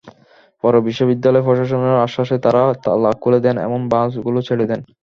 পরে বিশ্ববিদ্যালয় প্রশাসনের আশ্বাসে তাঁরা তালা খুলে দেন এবং বাসগুলো ছেড়ে দেন।